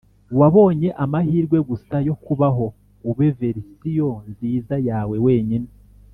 wabonye amahirwe gusa yo kubaho; ube verisiyo nziza yawe wenyine